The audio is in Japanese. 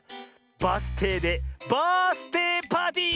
バスていでバースていパーティー！